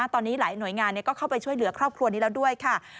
ตอนนี้หลายหน่วยงานก็เข้าไปช่วยเหลือครอบครัวนี้แล้วด้วยค่ะ